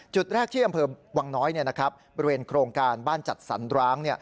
จุดแรกที่อำเภอวังน้อยบริเวณโครงการบ้านจัดสรรร้าง